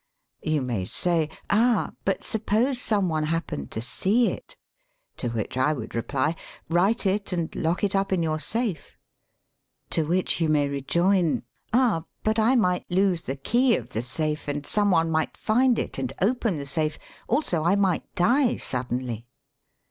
You may say : "Ah ! But suppose some one happened to see it!" To which I would reply: "Write it and lock it up in your safe.'* To which you may rejoin: "Ah! But I might lose the key of the safe THE DIARY IJABIT 41 and some one might find it and open the safe. Also I might die suddenly."